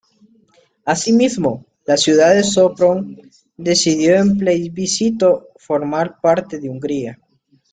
Asimismo, la ciudad de Sopron decidió en plebiscito formar parte de Hungría.